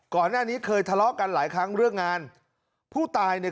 ก่อนหน้านี้เคยทะเลาะกันหลายครั้งเรื่องงานผู้ตายเนี่ย